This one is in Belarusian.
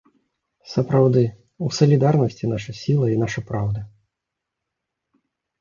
Сапраўды, у салідарнасці наша сіла і наша праўда!